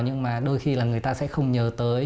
nhưng mà đôi khi là người ta sẽ không nhớ tới